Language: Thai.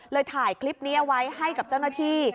ถ่ายคลิปนี้เอาไว้ให้กับเจ้าหน้าที่